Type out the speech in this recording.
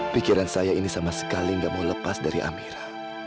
pikiran saya ini sama sekali gak mau lepas dari amirah